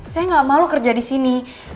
saya gak malu kerja disini